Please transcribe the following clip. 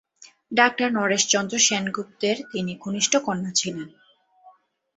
Doctor Naresh Chandra সেনগুপ্তের তিনি কনিষ্ঠ কন্যা ছিলেন।